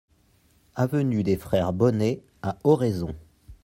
Avenue des Frères Bonnet à Oraison